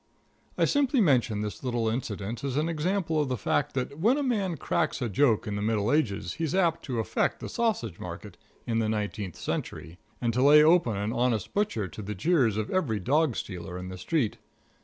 I simply mention this little incident as an example of the fact that when a man cracks a joke in the Middle Ages he's apt to affect the sausage market in the Nineteenth Century, and to lay open an honest butcher to the jeers of every dog stealer in the street.